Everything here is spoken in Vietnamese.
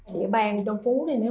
địa bàn đồng phú này nữa